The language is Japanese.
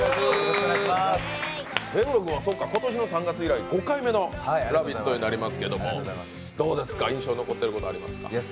目黒君は今年の３月以来５回目の「ラヴィット！」になりますけど、どうですか印象に残ってることありますか？